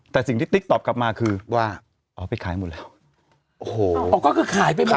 แต่สิ่งที่ติ๊กตอบกลับมาคือว่าอ๋อไปขายหมดแล้วโอ้โหอ๋อก็คือขายไปหมด